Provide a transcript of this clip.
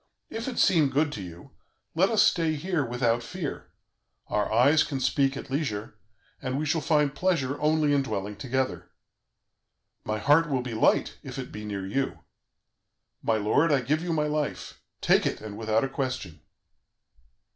If it seem good to you, let us stay here without fear; our eyes can speak at leisure, and we shall find pleasure only in dwelling together. My heart will be light if it be near you. My lord, I give you my life. Take it, and without a question.'